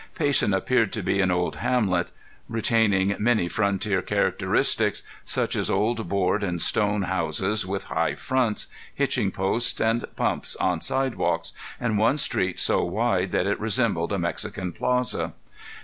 Payson appeared to be an old hamlet, retaining many frontier characteristics such as old board and stone houses with high fronts, hitching posts and pumps on sidewalks, and one street so wide that it resembled a Mexican plaza.